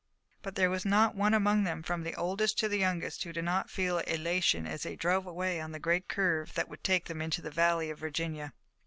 But there was not one among them from the oldest to the youngest who did not feel elation as they rode away on the great curve that would take them into the Valley of Virginia.